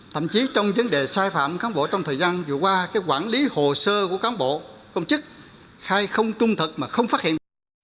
thậm chí trong vấn đề sai phạm cán bộ trong thời gian vừa qua quản lý hồ sơ của cán bộ công chức khai không trung thật mà không phát hiện